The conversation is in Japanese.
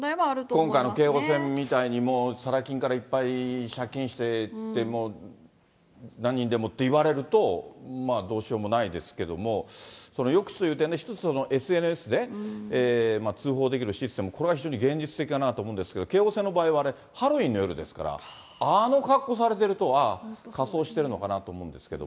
今回の京王線みたいに、もうサラ金からいっぱい借金してて、もう何人でもって言われると、まあ、どうしようもないけれども、抑止という点で一つ、ＳＮＳで通報できるシステム、これは非常に現実的だなと思うんですけど、京王線の場合はあれ、ハロウィーンの夜ですから、あの格好されてると、ああ、仮装してんのかなと思うんですけど。